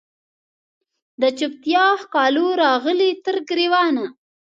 د چوپتیا ښکالو راغلې تر ګریوانه